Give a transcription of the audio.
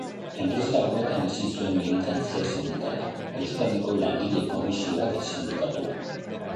Enpresa horretan hasi zuen militantzia sindikala, Euskadiko Langile Komisioak sindikatuan.